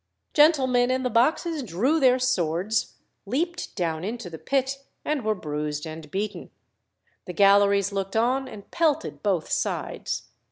Gentlemen in the boxes drew their swords, leaped down into the pit, and were bruised and beaten. The galleries looked on and pelted both sides.